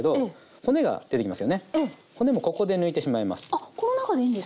骨もここで抜いてしまいます。